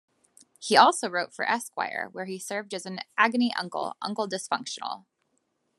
He also wrote for "Esquire", where he served as an agony uncle, 'Uncle Dysfunctional'.